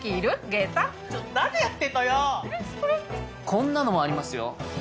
こんなのもありますよ。